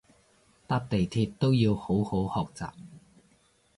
搭地鐵都要好好學習